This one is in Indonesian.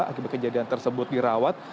akibat kejadian tersebut dirawat